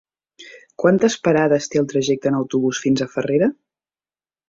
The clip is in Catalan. Quantes parades té el trajecte en autobús fins a Farrera?